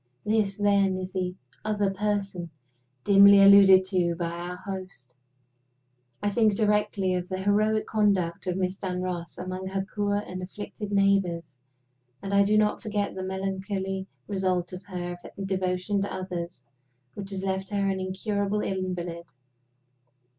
This, then, is the "other person" dimly alluded to by our host! I think directly of the heroic conduct of Miss Dunross among her poor and afflicted neighbors; and I do not forget the melancholy result of her devotion to others which has left her an incurable invalid.